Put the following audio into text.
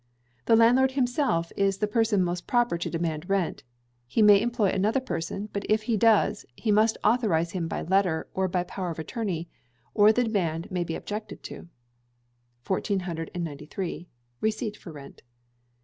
The landlord himself is the person most proper to demand rent; he may employ another person, but if he does, he must authorize him by letter, or by power of attorney; or the demand may be objected to. 1493. Receipt for Rent.